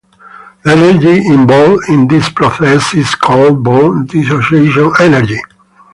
The energy involved in this process is called bond dissociation energy.